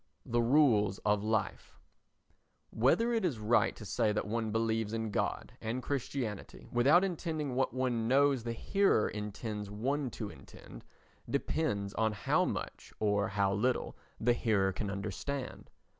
The Rules of Life Whether it is right to say that one believes in God and Christianity without intending what one knows the hearer intends one to intend depends on how much or how little the hearer can understand.